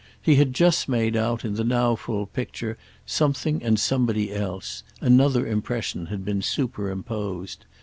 He had just made out, in the now full picture, something and somebody else; another impression had been superimposed.